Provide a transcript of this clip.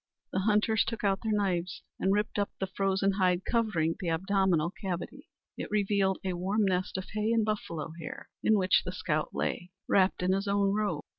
The hunters took out their knives and ripped up the frozen hide covering the abdominal cavity. It revealed a warm nest of hay and buffalo hair in which the scout lay, wrapped in his own robe!